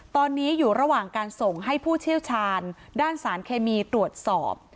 ตอนนี้อยู่ระหว่างการส่งให้ผู้เชี่ยวชาญด้านสารเคมีตรวจสอบ